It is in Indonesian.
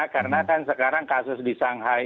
karena kan sekarang kasus di shanghai